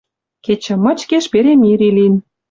Кечӹ мычкеш перемири лин.